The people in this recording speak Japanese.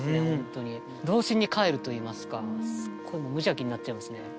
童心に帰るといいますかこう無邪気になっちゃいますね。